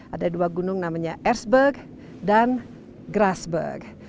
ada dua gunung namanya erzberg dan grasberg